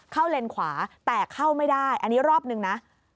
เลนขวาแต่เข้าไม่ได้อันนี้รอบนึงนะ